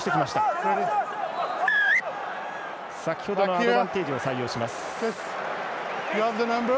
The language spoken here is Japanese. アドバンテージを採用します。